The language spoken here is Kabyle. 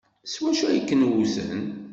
S wacu ay ken-wten?